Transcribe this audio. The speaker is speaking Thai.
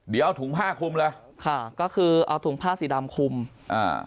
เดี๋ยวเอาถุงผ้าคุมเลยค่ะก็คือเอาถุงผ้าสีดำคุมอ่า